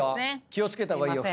気を付けた方がいいよ